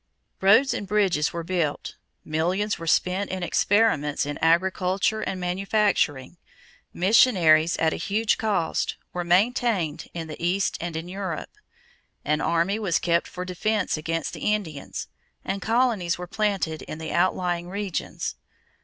Roads and bridges were built; millions were spent in experiments in agriculture and manufacturing; missionaries at a huge cost were maintained in the East and in Europe; an army was kept for defense against the Indians; and colonies were planted in the outlying regions.